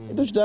itu sudah ada